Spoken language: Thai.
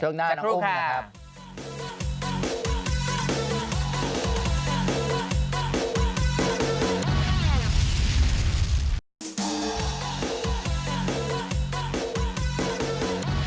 ช่วงหน้าน้องรุ่งนะครับ